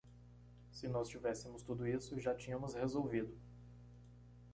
Se nós tivéssemos tudo isso, já tínhamos resolvido